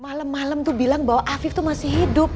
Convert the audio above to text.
malam malam tuh bilang bahwa afif itu masih hidup